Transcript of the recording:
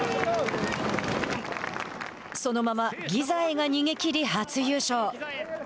そのままギザエが逃げきり初優勝。